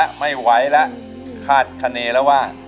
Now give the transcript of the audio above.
กี๊ดต่อละไม่ไหวละคาดคาเนะเล่ียว่า